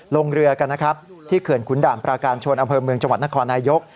ลงเรือกันนะครับที่เขื่อนขุนด่านปราการชนอำเภอเมืองจังหวัดนครนายก